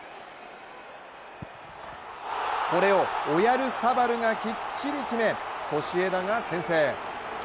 これをオヤルサバルがきっちり決めソシエダが先制。